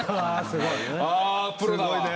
すごいね。